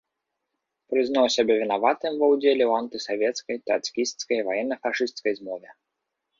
Прызнаў сябе вінаватым ва ўдзеле ў антысавецкай, трацкісцкай, ваенна-фашысцкай змове.